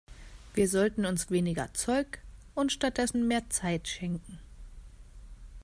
Wir sollten uns weniger Zeug und stattdessen mehr Zeit schenken.